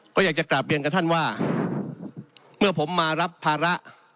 ก็อยากจะกลับเรียนกับท่านว่าเมื่อผมมารับภาระ